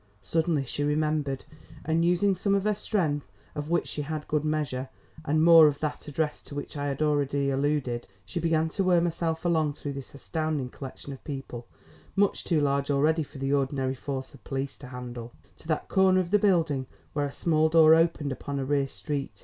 Suddenly she remembered; and using some of her strength of which she had good measure, and more of that address to which I have already alluded, she began to worm herself along through this astounding collection of people much too large already for the ordinary force of police to handle, to that corner of the building where a small door opened upon a rear street.